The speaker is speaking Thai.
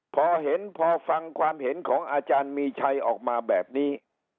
พอเห็นพอฟังความเห็นของอาจารย์มีชัยออกมาแบบนี้